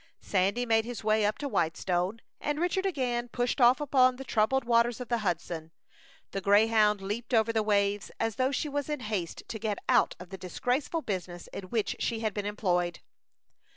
Sandy made his way up to Whitestone, and Richard again pushed off upon the troubled waters of the Hudson. The Greyhound leaped over the waves as though she was in haste to get out of the disgraceful business in which she had been employed.